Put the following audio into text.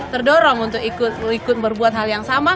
terdorong untuk ikut berbuat hal yang sama